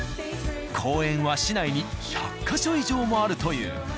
公園は市内に１００か所以上もあるという。